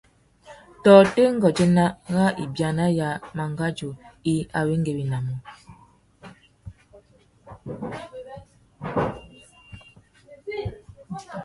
Tôtê ngudzénô râ ibiana ya mangazú i awéngüéwinamú?